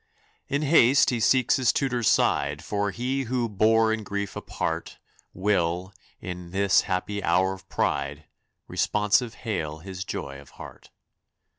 In haste he seeks his tutor's side, For he who "bore in grief a part" Will, in this happy hour of pride, Responsive hail his joy of heart.